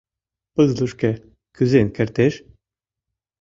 Пызлышке кӱзен кертеш?